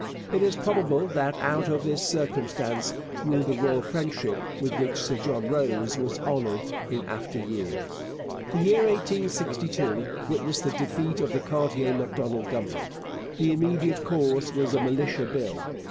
It is probable that out of this circumstance grew the royal friendship with which Sir John Rose was honoured in after years. The year 1862 witnessed the defeat of the Cartier Macdonald Government. The immediate cause was a Militia Bill.